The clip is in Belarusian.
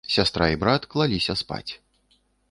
Сястра і брат клаліся спаць.